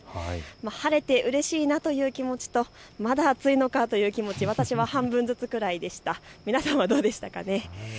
晴れてうれしいなという気持ちとまだ暑いのかという気持ち、私は半分ずつぐらいでした。